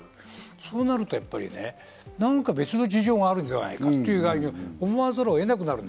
そうなるとやっぱりね、何か別の事情があるんではないかというふうに思わざるを得なくなる。